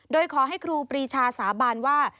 โดยขอให้ครูปรีชาสาบานว่า